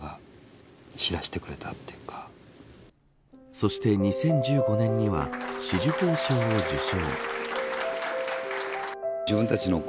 そして２０１５年には紫綬褒章を受章。